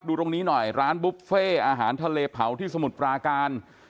ตรงนี้หน่อยร้านบุฟเฟ่อาหารทะเลเผาที่สมุทรปราการ